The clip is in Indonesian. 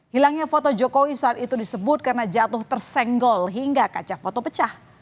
hilangnya foto jokowi saat itu disebut karena jatuh tersenggol hingga kaca foto pecah